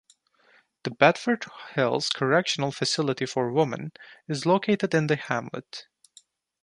The Bedford Hills Correctional Facility for Women is located in the hamlet.